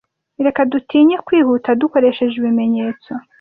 reka dutinye kwihuta dukoresheje ibimenyetso